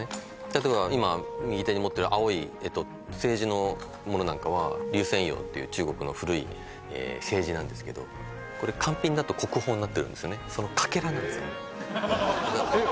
例えば今右手に持ってる青い青磁のものなんかは竜泉窯っていう中国の古い青磁なんですけどそのカケラなんですえっ